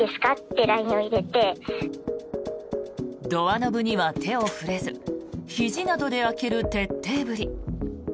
ドアノブには手を触れずひじなどで開ける徹底ぶり。